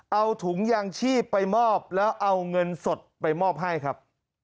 เอาถุงยางชีพไปมอบแล้วเอาเงินสดไปมอบให้ครับ